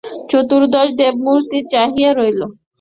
চতুর্দশ দেবমূর্তি চাহিয়া রহিল।